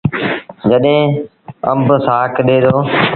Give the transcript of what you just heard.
جڏهيݩ آݩب سآک ڏي دو۔